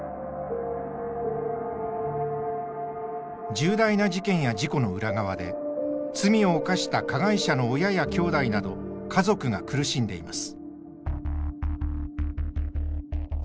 重大な事件や事故の裏側で罪を犯した加害者の親や兄弟など家族が苦しんでいます。